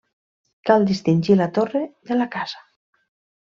Cal distingir la torre de la casa.